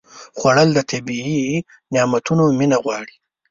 خوړل د طبیعي نعمتونو مینه غواړي